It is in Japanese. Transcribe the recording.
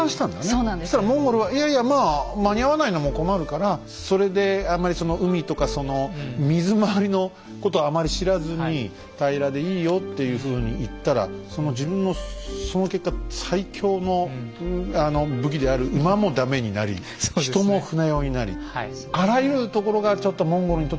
そうしたらモンゴルはいやいやまあ間に合わないのも困るからそれであんまり海とかその水まわりのことあまり知らずに平らでいいよっていうふうに言ったらその自分のその結果最強の武器である馬も駄目になり人も船酔いになりそうですね。